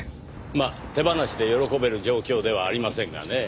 まあ手放しで喜べる状況ではありませんがねぇ。